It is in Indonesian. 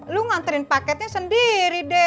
lu nganterin paketnya sendiri deh